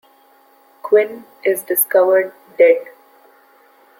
Quinn is discovered dead.